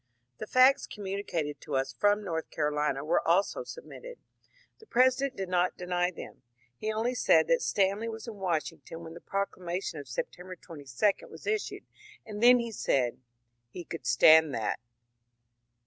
The facts conmiunicated to us from North Carolina were also sub mitted. The President did not deny them. He only said that Stanley was in Washington when the proclamation of Sep tember 22 was issued, and then said he *^ could stand that."